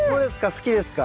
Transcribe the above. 好きですか？